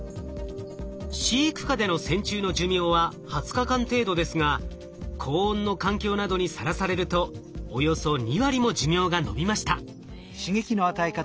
飼育下での線虫の寿命は２０日間程度ですが高温の環境などにさらされるとおよそ２割も寿命が延びました。